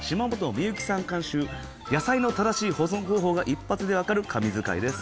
監修野菜の正しい保存方法が一発でわかる神図解です。